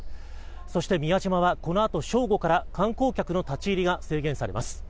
そして宮島はこのあと正午から観光客の立ち入りが制限されます。